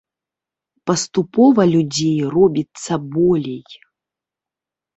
Паступова людзей робіцца болей.